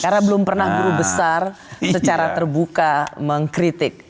karena belum pernah guru besar secara terbuka mengkritik